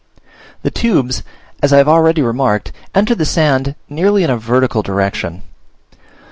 The tubes, as I have already remarked, enter the sand nearly in a vertical direction.